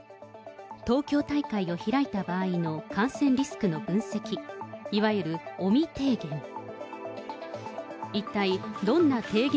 東京大会を開いた場合の感染リスクの分析、いわゆる尾身提言。